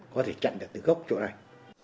có thể chặn được từ gốc chỗ này